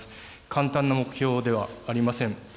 簡単な目標ではありません。